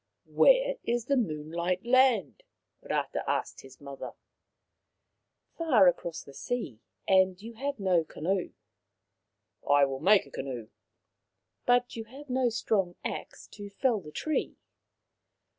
" Where is the Moonlight land ?" Rata asked his mother. " Far across the sea. And you have no canoe. " I will make a canoe.' ' 11 But you have no strong axe to fell the tree.